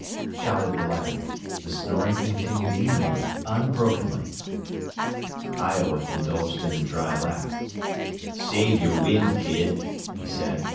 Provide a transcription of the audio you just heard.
shouted the lad. The snoring continued evenly, unbrokenly. Iowa indulged in a dry laugh. "Save your wind, kid," he said.